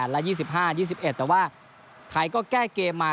และ๒๕๒๑แต่ว่าไทยก็แก้เกมมา